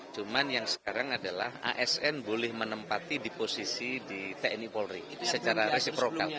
cuma yang sekarang adalah asn boleh menempati di posisi di tni polri secara resiprokal